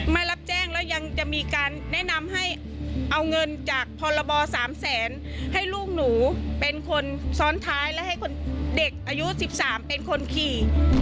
ไม่รับแจ้งแล้วยังจะมีการแนะนำให้เอาเงินจากพรบ๓แสนให้ลูกหนูเป็นคนซ้อนท้ายและให้เด็กอายุ๑๓เป็นคนขี่